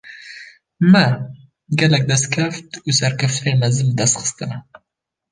Me, gelek destkeft û serkeftinên mezin bi dest xistine